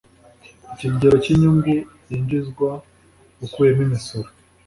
ikigero cy’ inyungu yinjizwa ukuyemo imisoro